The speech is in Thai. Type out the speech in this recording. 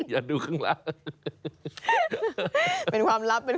อย่าดูข้างล่าง